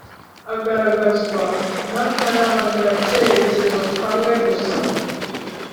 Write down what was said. agaragazwa n'akarangacyerekezo kamwe gusa